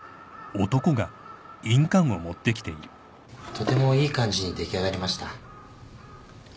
とてもいい感じに出来上がりました。